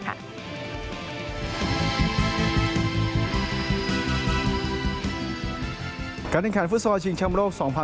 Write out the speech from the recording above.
การแข่งขันฟุตซอลชิงชำโลก๒๐๑๖